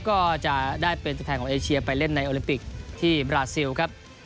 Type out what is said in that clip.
ก็จะได้เป็นตัวแทนของเอเชียไปเล่นในโอลิมปิกที่บราซิลครับ